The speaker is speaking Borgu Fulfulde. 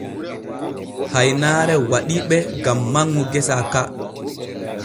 Haynaare waɗii ɓe gam manŋu gesa ka.